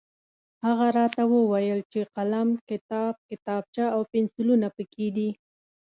هغه راته وویل چې قلم، کتاب، کتابچه او پنسلونه پکې دي.